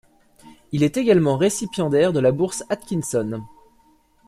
Il est également récipiendaire de la bourse Atkinson.